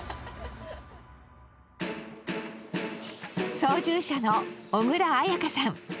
操縦者の小倉彩佳さん。